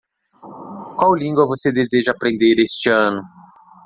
Qual língua você deseja aprender este ano?